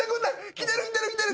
来てる来てる来てる。